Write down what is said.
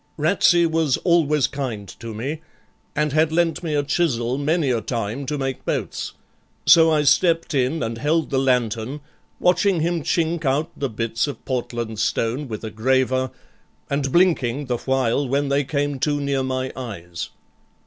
Ratsey was always kind to me, and had lent me a chisel many a time to make boats, so I stepped in and held the lantern watching him chink out the bits of Portland stone with a graver, and blinking the while when they came too near my eyes.